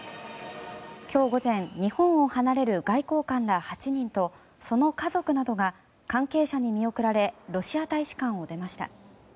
今日午前日本を離れる外交官ら８人とその家族などが関係者に見送られロシア大使館を出ました。